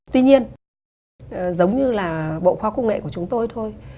tuy nhiên giống như là bộ khoa công nghệ của chúng tôi thôi